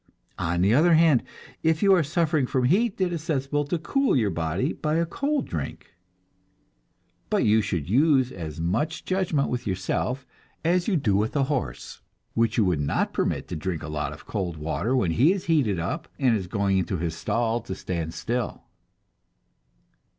On the other hand, if you are suffering from heat, it is sensible to cool your body by a cold drink. But you should use as much judgment with yourself as you would with a horse, which you do not permit to drink a lot of cold water when he is heated up, and is going into his stall to stand still.